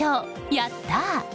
やったー！